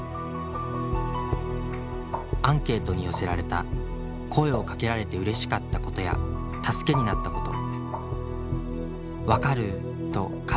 アンケートに寄せられた「声をかけられてうれしかったことや助けになったこと」。